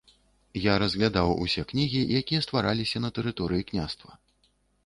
Я разглядаў усе кнігі, якія ствараліся на тэрыторыі княства.